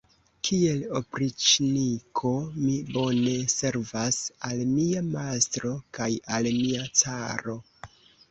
Kiel opriĉniko mi bone servas al mia mastro kaj al mia caro.